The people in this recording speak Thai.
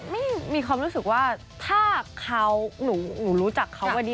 ไม่มีความรู้สึกว่าถ้าเขาหนูรู้จักเขาวันนี้